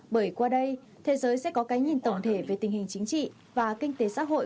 bởi qua đây thế giới sẽ có cái nhìn tổng thể về tình hình chính trị và kinh tế xã hội